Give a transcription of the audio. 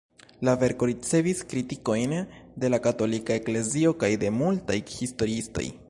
La verko ricevis kritikojn de la Katolika Eklezio kaj de multaj historiistoj.